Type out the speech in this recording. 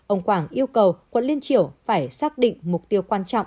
ông quảng yêu cầu quận liên triểu phải xác định mục tiêu quan trọng